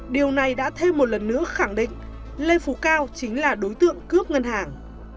điều này đã thêm một lần nữa khẳng định lê phú cao chính là đối tượng cướp ngân hàng